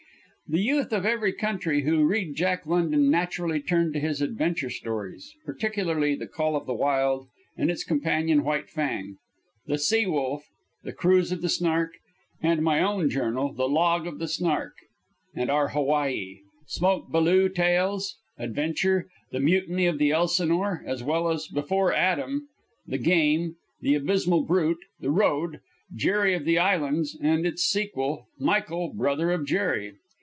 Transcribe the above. The youth of every country who read Jack London naturally turn to his adventure stories particularly "The Call of the Wild" and its companion "White Fang," "The Sea Wolf," "The Cruise of the Snark," and my own journal, "The Log of the Snark," and "Our Hawaii," "Smoke Bellew Tales," "Adventure," "The Mutiny of the Elsinore," as well as "Before Adam," "The Game," "The Abysmal Brute," "The Road," "Jerry of the Islands" and its sequel "Michael Brother of Jerry."